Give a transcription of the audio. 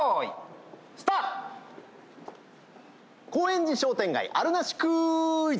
高円寺商店街あるなしクイズ！